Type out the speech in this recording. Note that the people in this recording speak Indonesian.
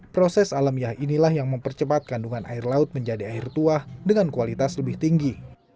proses alamiah inilah yang mempercepat kandungan air laut menjadi air tuah dengan kualitas lebih tinggi